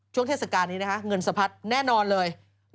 เทศกาลนี้นะคะเงินสะพัดแน่นอนเลย